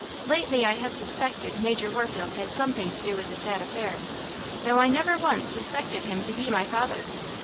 Lately I had suspected Major Warfield had something to do with the sad affair, though I never once suspected him to be my father.